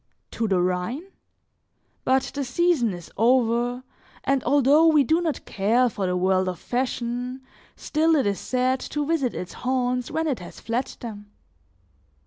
To the Rhine? But the season is over, and although we do not care for the world of fashion, still it is sad to visit its haunts when it has fled them.